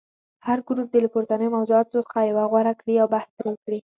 هر ګروپ دې له پورتنیو موضوعاتو څخه یوه غوره کړي او بحث پرې وکړي.